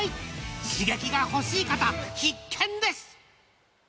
刺激が欲しい方、必見です。